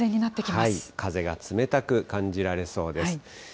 風が冷たく感じられそうです。